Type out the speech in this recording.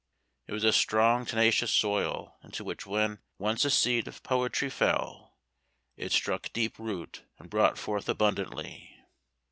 It was a strong tenacious soil, into which, when once a seed of poetry fell, it struck deep root and brought forth abundantly.